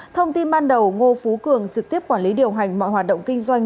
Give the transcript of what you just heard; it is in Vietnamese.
thông tin ban đầu ngô phú cường trực tiếp quản lý điều hành mọi hoạt động kinh doanh